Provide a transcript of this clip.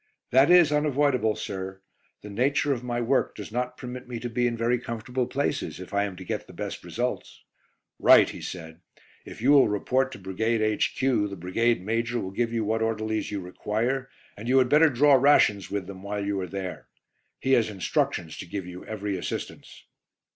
"That is unavoidable, sir. The nature of my work does not permit me to be in very comfortable places, if I am to get the best results." "Right," he said, "if you will report to Brigade H.Q. the Brigade Major will give you what orderlies you require, and you had better draw rations with them while you are there. He has instructions to give you every assistance."